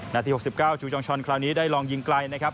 นาที๖๙จูจองชอนคราวนี้ได้ลองยิงไกลนะครับ